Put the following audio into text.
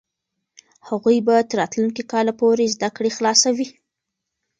هغوی به تر راتلونکي کاله پورې زده کړې خلاصوي.